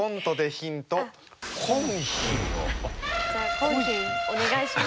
じゃあコンヒンお願いします。